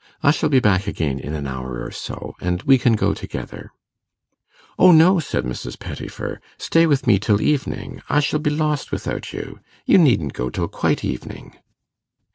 I shall be back again in an hour or so, and we can go together.' 'O no,' said Mrs. Pettifer. 'Stay with me till evening. I shall be lost without you. You needn't go till quite evening.